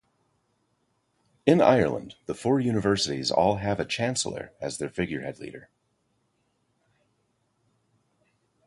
In Ireland, the four universities all have a chancellor as their figurehead leader.